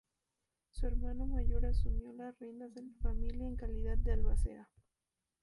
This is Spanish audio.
Su hermano mayor asumió las riendas de la familia en calidad de albacea.